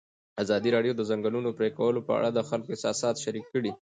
ازادي راډیو د د ځنګلونو پرېکول په اړه د خلکو احساسات شریک کړي.